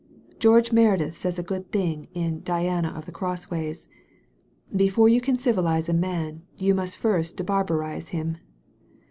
Greorge Meredith says a good thing in 'Diana of the Crossways*: * Before you can civilize a man, you must first de barbarize him.'